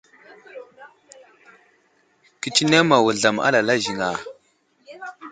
Kətsineŋ ma wuzlam alala ziŋ a ?